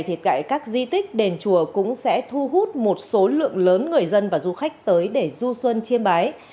thì tại các di tích đền chùa cũng sẽ thu hút một số lượng lớn người dân và du khách tới để du xuân chiêm bái